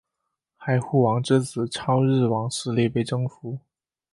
海护王之子超日王势力被征服。